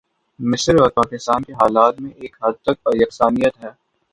مصر اور پاکستان کے حالات میں ایک حد تک یکسانیت ہے۔